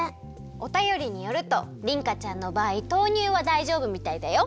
おたよりによるとりんかちゃんのばあい豆乳はだいじょうぶみたいだよ。